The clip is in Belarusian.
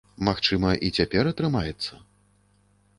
Магчыма, і цяпер атрымаецца?